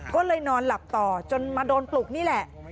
ก็เลยนอนหลับต่อจนมาโดนปลุกนี่แหละ